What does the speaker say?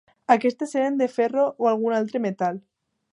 Aquestes eren de ferro o algun altre metall.